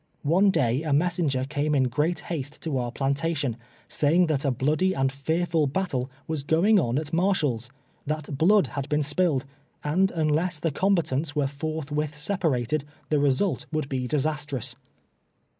One day a messenger came in great haste to our plantation, saying that a bloody and fearful battle was going on at Mar shall's — that blood had been si^illed — and unless the combatants were forthwith separated, the result would be disastrous.